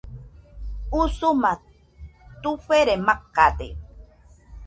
Usuma tufere macade